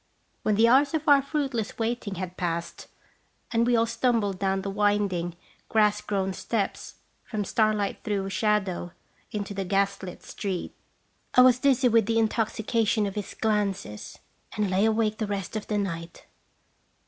When the hours of our fruitless waiting had passed, and we all stumbled down the wind ing, grass grown steps, from starlight through shadow into the gas lit street, I was dizzy with the intoxication of his glances, and lay awake the rest of the night.